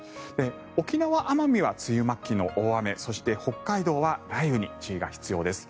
沖縄・奄美は梅雨末期の大雨そして北海道は雷雨に注意が必要です。